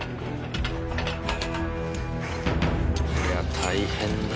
「いや大変だ」